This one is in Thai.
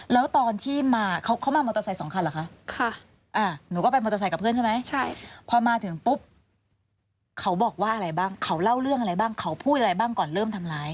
แล้วตอนที่มาเขามามอเตอร์ไซค์สองคันเหรอคะหนูก็ไปมอเตอร์ไซค์กับเพื่อนใช่ไหมพอมาถึงปุ๊บเขาบอกว่าอะไรบ้างเขาเล่าเรื่องอะไรบ้างเขาพูดอะไรบ้างก่อนเริ่มทำร้าย